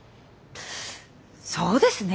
そうですね。